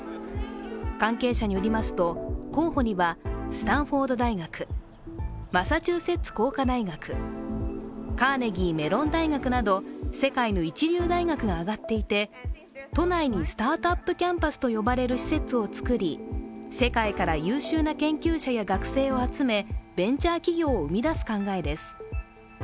関係者によりますと候補にはスタンフォード大学マサチューセッツ工科大学、カーネギー・メロン大学など世界の一流大学が挙がっていて都内にスタートアップキャンパスと呼ばれる施設をつくり世界から優秀な研究者や学生を集めベンチャー企業を生み出す考えです。